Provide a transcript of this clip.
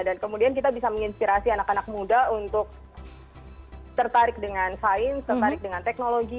kemudian kita bisa menginspirasi anak anak muda untuk tertarik dengan sains tertarik dengan teknologi